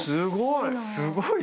すごい。